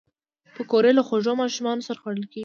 پکورې له خوږو ماشومانو سره خوړل کېږي